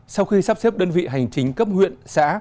sau khi sắp xếp đơn vị hành chính cấp huyện xã